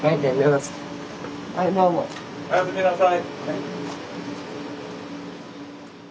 おやすみなさい。